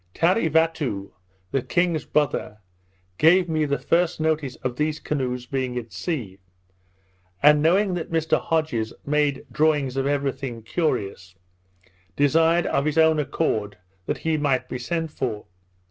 Tarevatoo, the king's brother, gave me the first notice of these canoes being at sea; and knowing that Mr Hodges made drawings of every thing curious, desired of his own accord that he might be sent for.